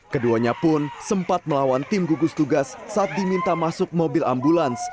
keduanya pun sempat melawan tim gugus tugas saat diminta masuk mobil ambulans